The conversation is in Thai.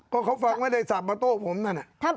ก็เขาฝากไว้ในสามาร์โต้ผมนั่นอ่ะ